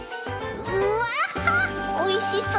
うわおいしそう！